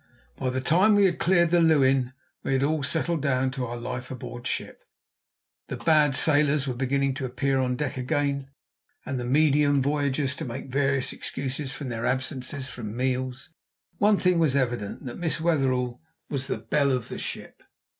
By the time we had cleared the Lewin we had all settled down to our life aboard ship, the bad sailors were beginning to appear on deck again, and the medium voyagers to make various excuses for their absences from meals. One thing was evident, that Miss Wetherell was the belle of the ship.